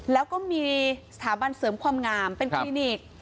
แล้วก็มีสถาบันเสริมความงามเป็นคลินิก